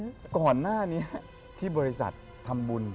ก่อนหน้านี้ที่บริษัททำบุญ